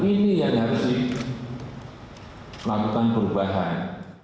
ini yang harus dilakukan perubahan